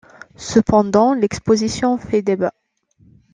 Cependant l'exposition fait débat.